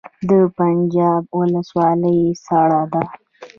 د پنجاب ولسوالۍ سړه ده